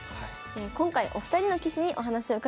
今回お二人の棋士にお話を伺いました。